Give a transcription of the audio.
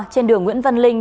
trên đường nguyễn văn linh